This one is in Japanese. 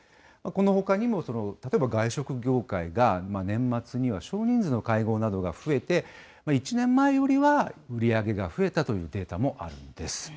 このほかにも、例えば、外食業界が年末には少人数の会合などが増えて、１年前よりは売り上げが増えたというデータもあるんです。